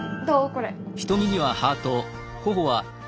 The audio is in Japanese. これ。